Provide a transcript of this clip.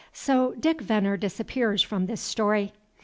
So Dick Venner disappears from this story.